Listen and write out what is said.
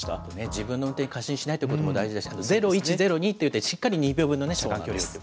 自分の運転、過信しないということも大事ですけど、０１０２といってしっかり２秒分の車間距離を取る。